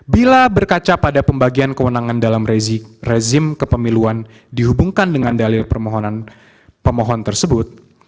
bila berkaca pada pembagian kewenangan dalam rezim kepemiluan dihubungkan dengan dalil permohonan pemohon tersebut